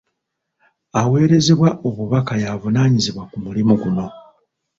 Aweerezebwa obubaka y'avunaanyizibwa ku mulimu guno.